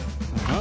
あ。